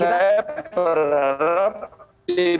saya ke pak dhani